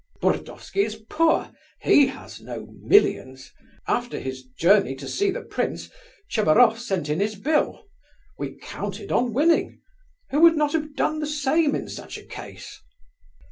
Burdovsky is poor, he has no millions. After his journey to see the prince Tchebaroff sent in his bill. We counted on winning... Who would not have done the same in such a case?"